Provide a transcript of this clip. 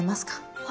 はい。